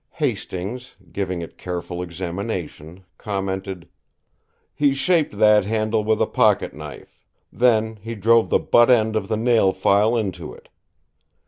Hastings, giving it careful examination, commented: "He shaped that handle with a pocket knife. Then, he drove the butt end of the nail file into it.